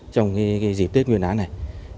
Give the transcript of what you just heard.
trong dịp tết nguyên án này